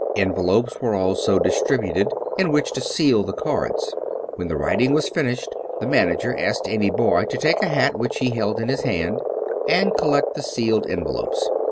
En velopes were also distributed, in which to seal the cards. When the writing was finished, the manager asked any boy to take a hat which he held in his hand, and collect 261 True Stories of Modern Magic the sealed envelopes.